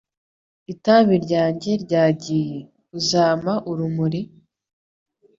Itabi ryanjye ryagiye. Uzampa urumuri?